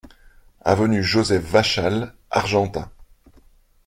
Avenue Joseph Vachal, Argentat